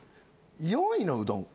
４位のうどん。